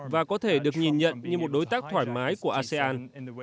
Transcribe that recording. và có thể được nhìn nhận như một đối tác thoải mái của asean